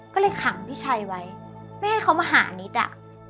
ก็เลยขังพี่ชัยไว้ไม่ให้เขามาหานิดอ่ะ